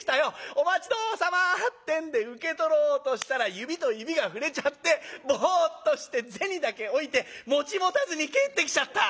『お待ちどおさま』ってんで受け取ろうとしたら指と指が触れちゃってぼうっとして銭だけ置いて持たずに帰ってきちゃった」。